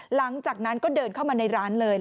หลังจากนั้นก็เดินเข้ามาในร้านเลย